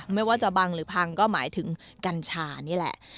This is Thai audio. ไม่ว่าจะบังหรือพังก็หมายถึงกัญชานี่แหละ